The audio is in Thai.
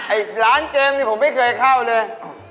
ไอ้ร้านเกมนี่ผมไม่เคยเข้าเลย